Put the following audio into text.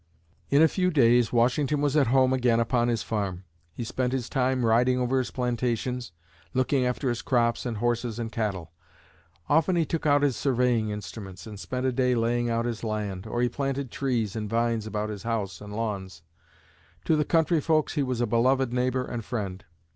In a few days, Washington was at home again upon his farm. He spent his time riding over his plantations, looking after his crops and horses and cattle. Often he took out his surveying instruments and spent a day laying out his land, or he planted trees and vines about his house and lawns. To the country folks, he was a beloved neighbor and friend.